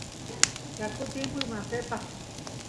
yakut timpuy matepaq